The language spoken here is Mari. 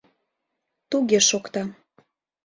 Туге шокта...